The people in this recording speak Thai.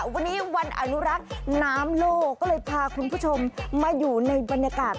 วันนี้วันอนุรักษ์น้ำโลกก็เลยพาคุณผู้ชมมาอยู่ในบรรยากาศ